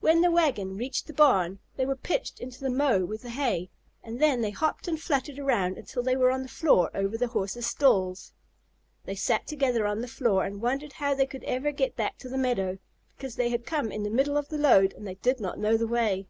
When the wagon reached the barn, they were pitched into the mow with the hay, and then they hopped and fluttered around until they were on the floor over the Horses' stalls. They sat together on the floor and wondered how they could ever get back to the meadow. Because they had come in the middle of the load, they did not know the way.